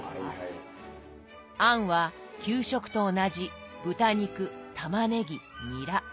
餡は給食と同じ豚肉たまねぎニラ。